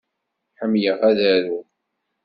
Ḥemmleɣ ad aruɣ.